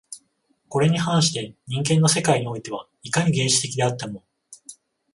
これに反して人間の世界においては、いかに原始的であっても